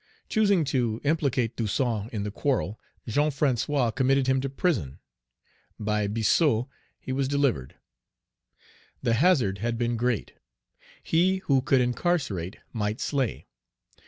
Choosing to implicate Toussaint in the quarrel, Jean François committed him to prison. By Biassou, he was delivered. The hazard had been great. He who could incarcerate might slay.